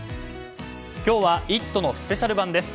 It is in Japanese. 今日は『イット！』のスペシャル版です。